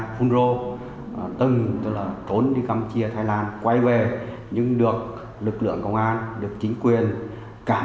phun rô từng trốn đi cam chia thái lan quay về nhưng được lực lượng công an được chính quyền cản